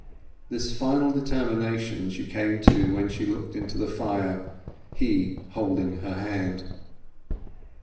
This final determination she came to when she looked into the fire, he holding her hand.